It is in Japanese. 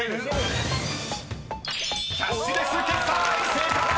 ［正解！